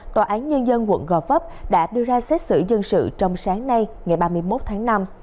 tòa án nhân dân quận gò vấp đã đưa ra xét xử dân sự trong sáng nay ngày ba mươi một tháng năm